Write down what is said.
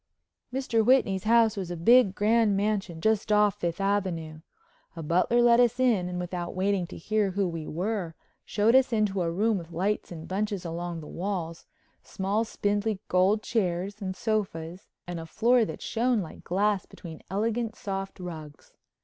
Mr. Whitney's house was a big, grand mansion just off Fifth Avenue. A butler let us in and without waiting to hear who we were showed us into a room with lights in bunches along the walls, small spindly gold chairs and sofas, and a floor that shone like glass between elegant soft rugs.